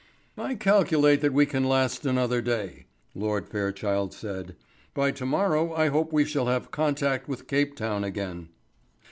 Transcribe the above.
"I calculate that we can last another day," Lord Fairchild said. "By to morrow I hope we shall have contact with Cape Town again."